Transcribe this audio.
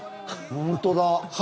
本当だ。